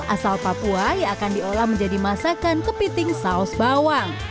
asal papua yang akan diolah menjadi masakan kepiting saus bawang